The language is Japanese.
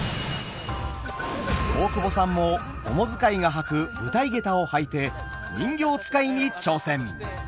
大久保さんも主遣いが履く舞台下駄を履いて人形遣いに挑戦！